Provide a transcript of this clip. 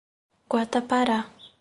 Guatapará